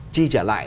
chi trả lại